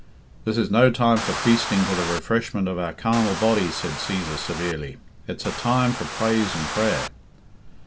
"This is no time for feasting to the refreshment of our carnal bodies," said Cæsar severely. "It's a time for praise and prayer."